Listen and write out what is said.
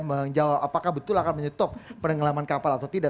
menjawab apakah betul akan menyetup pendengelaman kapal atau tidak